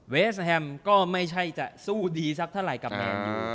เวสแฮมก็ไม่ใช่จะสู้ดีสักเท่าไหร่กับแมนยู